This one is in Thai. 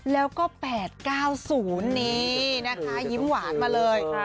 แล้วก็๘๙๐นี่นะคะยิ้มหวานมาเลย